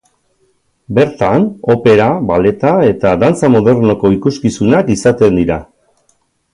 Bertan opera, balleta eta dantza modernoko ikuskizunak izaten dira.